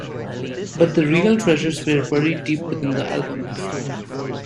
But the real treasures were buried deep within the album.